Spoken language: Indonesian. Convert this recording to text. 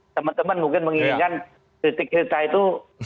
teman teman mungkin menginginkan kritik kritik itu